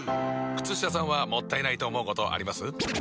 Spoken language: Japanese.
靴下さんはもったいないと思うことあります？